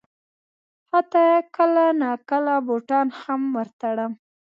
حتی کله ناکله بوټان هم ور تړم.